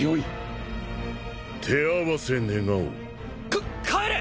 か帰れ！